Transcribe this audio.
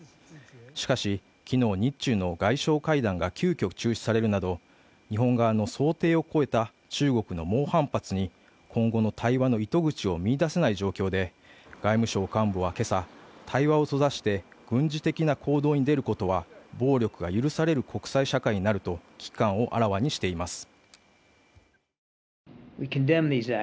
しかし昨日、日中の外相会談が急きょ中止されるなど日本側の想定を超えた中国の猛反発に今後の対話の糸口を見いだせない状況で外務省幹部はけさ対話を閉ざして軍事的な行動に出ることは暴力が許される国際社会になると危機感をあらわにしています